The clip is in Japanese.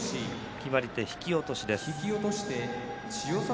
決まり手は引き落としです。